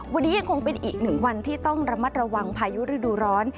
วันนี้ยังคงเป็นอีกหนึ่งวันที่ต้องระมัดระวังพายุฤดูร้อน